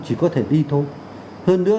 chỉ có thể đi thôi hơn nữa